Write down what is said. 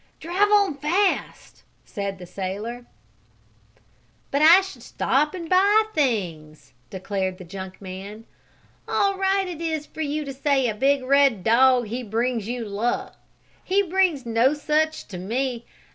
"Drive on, fast!" said the sailor. "But I should must stop and buy things!" declared the junk man. "All right it is for you to say a red dog he brings you luck. He brings no such to me.